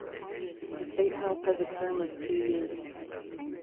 The State House has a term of two years.